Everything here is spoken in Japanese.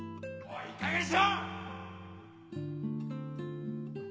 いいかげんにしろ！